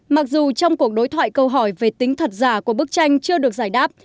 mặc dù trong cuộc đối thoại câu hỏi về tính thật giả của bức tranh chưa được giải đáp